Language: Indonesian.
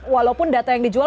walaupun data yang dijual